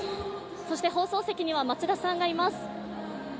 そして、放送席には松田さんがいます。